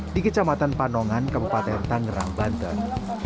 di kecamatan panongan kabupaten tangerang banten